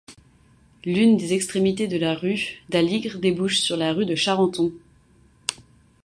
L'une des extrémités de la rue d'Aligre débouche sur la rue de Charenton.